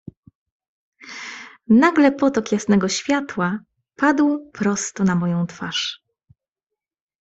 "Nagle potok jasnego światła padł prosto na moją twarz."